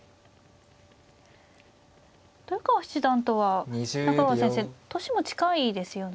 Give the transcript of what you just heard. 豊川七段とは中川先生年も近いですよね。